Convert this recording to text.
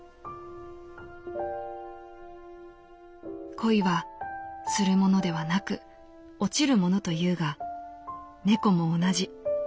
「恋は『する』ものではなく『落ちる』ものというが猫も同じ。